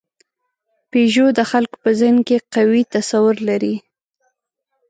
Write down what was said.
پيژو د خلکو په ذهن کې قوي تصور لري.